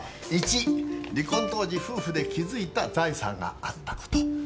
①離婚当時夫婦で築いた財産があったこと。